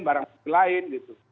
barang bukti lain